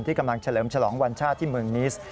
กำลังเฉลิมฉลองวันชาติที่เมืองนิส